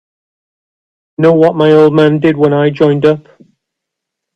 Know what my old man did when I joined up?